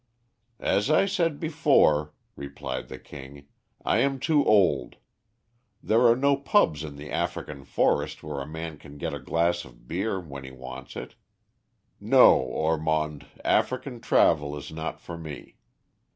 "As I said before," replied the King, "I am too old. There are no pubs in the African forest where a man can get a glass of beer when he wants it. No, Ormond, African travel is not for me.